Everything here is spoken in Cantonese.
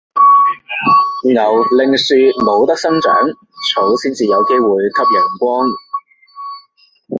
牛令樹冇得生長，草先至有機會吸陽光